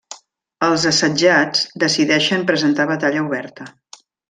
Els assetjats decideixen presentar batalla oberta.